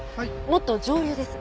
もっと上流です。